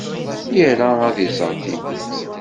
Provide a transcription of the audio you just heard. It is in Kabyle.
Ira ad iẓer tidet.